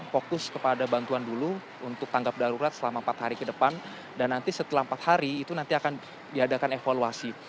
fokus kepada bantuan dulu untuk tanggap darurat selama empat hari ke depan dan nanti setelah empat hari itu nanti akan diadakan evaluasi